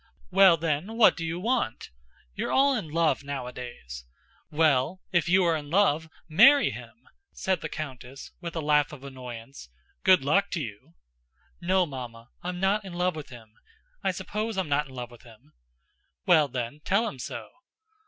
"Well then, what do you want? You're all in love nowadays. Well, if you are in love, marry him!" said the countess, with a laugh of annoyance. "Good luck to you!" "No, Mamma, I'm not in love with him, I suppose I'm not in love with him." "Well then, tell him so."